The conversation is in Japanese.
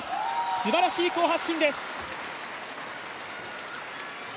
すばらしい好発進です。